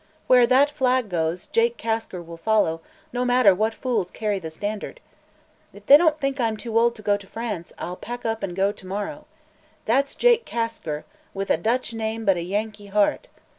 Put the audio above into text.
Where that flag goes, Jake Kasker will follow, no matter what fools carry the standard. If they don't think I'm too old to go to France, I'll pack up and go to morrow. That's Jake Kasker with a Dutch name but a Yankee heart.